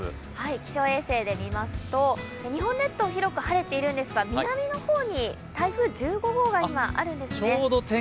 気象衛星で見ますと日本列島は広く晴れているんですが南の方に台風１５合があるんですね。